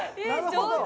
上手